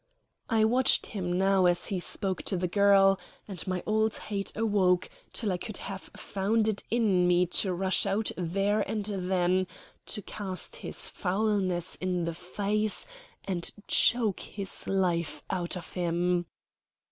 I watched him now as he spoke to the girl, and my old hate awoke till I could have found it in me to rush out there and then to cast his foulness in his face and choke his life out of him.